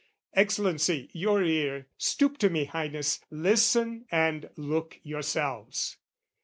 Excellency, your ear! Stoop to me, Highness, listen and look yourselves!